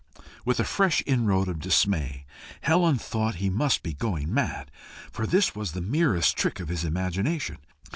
With a fresh inroad of dismay Helen thought he must be going mad, for this was the merest trick of his imagination.